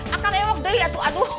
akang ewo deh aduh